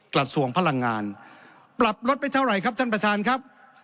กระทรวงพลังงานปรับลดไปเท่าไหร่ครับท่านประธานครับ